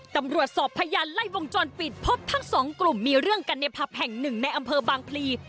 ตำรวจสอบพยานไล่วงจรปิดพบทั้งสองกลุ่มมีเรื่องกันในผับแห่งหนึ่งในอำเภอบางพลี